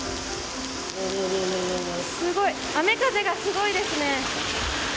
すごい、雨風がすごいですね。